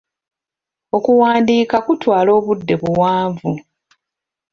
Okuwandiika kutwala obudde buwanvu.